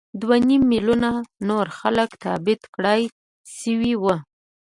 دوه نیم میلیونه نور خلک تبعید کړای شوي وو.